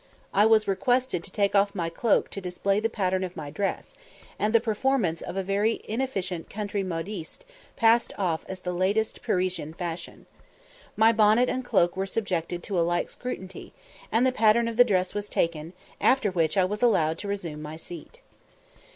I was requested to take off my cloak to display the pattern of my dress, and the performance of a very inefficient country modiste passed off as the latest Parisian fashion. My bonnet and cloak were subjected to a like scrutiny, and the pattern of the dress was taken, after which I was allowed to resume my seat.